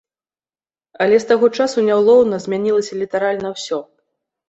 Але з таго часу няўлоўна змянілася літаральна ўсё.